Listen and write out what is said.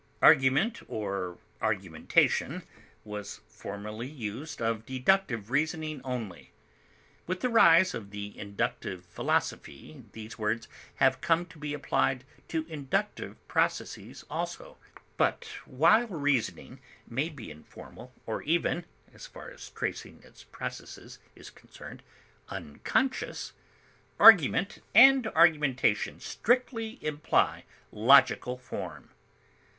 Argument or argumentation was formerly used of deductive reasoning only. With the rise of the inductive philosophy these words have come to be applied to inductive processes also; but while reasoning may be informal or even (as far as tracing its processes is concerned) unconscious, argument and argumentation strictly imply logical form.